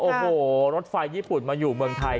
โอ้โหรถไฟญี่ปุ่นมาอยู่เมืองไทย